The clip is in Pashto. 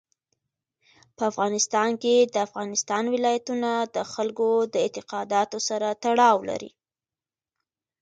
په افغانستان کې د افغانستان ولايتونه د خلکو د اعتقاداتو سره تړاو لري.